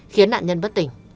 khiến nạn nhân bất tỉnh